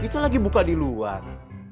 kita lagi buka di luar